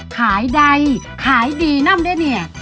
ขายใดขายดีนั่นด้วยเนี่ย